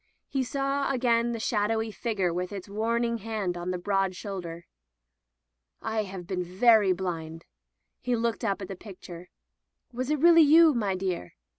He saw again the shadowy figure with its warning hand upon the broad shoulder. " I have been very blind." He looked up at the picture. "Was it really you, my dear